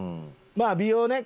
まあ美容ね。